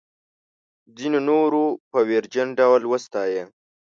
ځینو نورو په ویرجن ډول وستایه.